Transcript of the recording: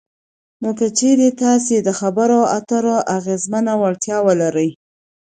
نو که چېرې تاسې دخبرو اترو اغیزمنه وړتیا ولرئ